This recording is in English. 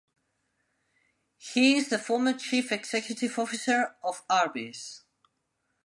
He is the former Chief Executive Officer of Arby’s.